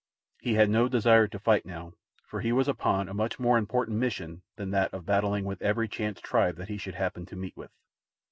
He had no desire to fight now, for he was upon a much more important mission than that of battling with every chance tribe that he should happen to meet with.